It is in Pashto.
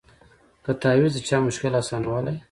که تعویذ د چا مشکل آسانولای